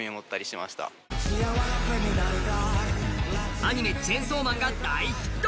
アニメ「チェンソーマン」が大ヒット。